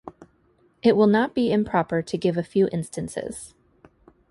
It will not be improper to give a few instances.